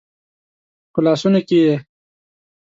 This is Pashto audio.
په لاسونو کې یې